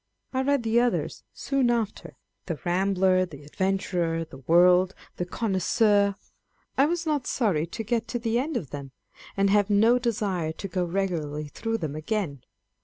I read the others soon after, the Hainbler, the Adventurer, the World, the Connoisseur : 318 On Eeading Old Books. I was not sorry to get to the end of them, and have no desire to go regularly through them again.